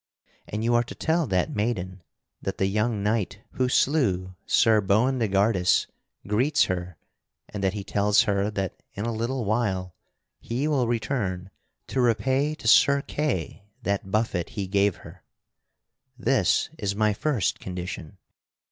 And you are to tell that maiden that the young knight who slew Sir Boindegardus greets her and that he tells her that in a little while he will return to repay to Sir Kay that buffet he gave her. This is my first condition."